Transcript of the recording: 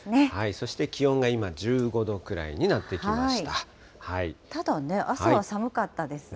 そして気温が今１５度ぐらいになってきました。ですね。